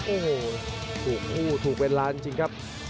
โอ้โหถูกพูดถูกเป็นร้านจริงครับ